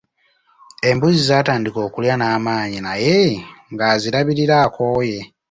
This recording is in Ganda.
Embuzi zaatandika okulya n’amaanyi naye nga azirabirira akooye.